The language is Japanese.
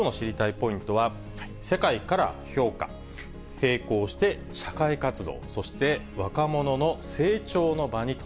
ポイントは世界から評価、並行して社会活動、そして若者の成長の場にと。